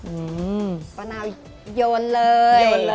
อื้อปะเนายนเลย